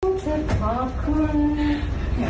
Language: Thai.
ไม่รู้จะขอบคุณไม่รู้ทำอย่างไร